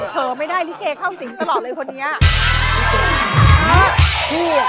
เธอไม่ได้ที่เกยะเข้าสิงตลอดเลยคนนี้